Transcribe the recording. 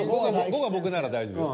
５が僕なら大丈夫よ。